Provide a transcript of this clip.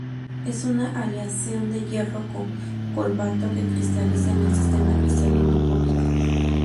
Es una aleación de hierro con cobalto, que cristaliza en el sistema cristalino cúbico.